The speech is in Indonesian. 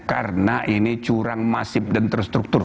karena ini curang masif dan terstruktur